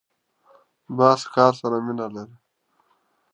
باز د ښکار سره مینه لري